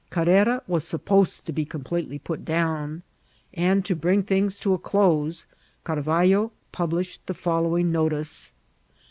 Carrera was supposed to be completely put down; and to bring things to a close, Carvallo published the following ••NOTICE.